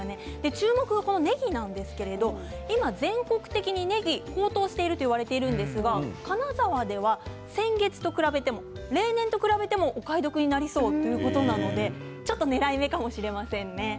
注目が、ねぎなんですけれど今、全国的に、ねぎが高騰していると言われているんですが金沢では先月と比べても例年と比べてもお買い得となりそうということでちょっと狙い目かもしれませんね。